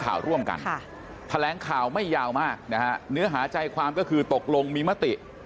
ค่ะแถลงข่าวไม่ยาวมากนะคะเนื้อหาใจความก็คือตกลงมีมติ